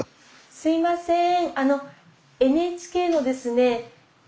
すいません。